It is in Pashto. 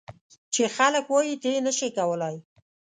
چې خلک وایي ته یې نه شې کولای.